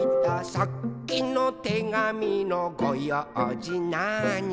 「さっきのてがみのごようじなーに」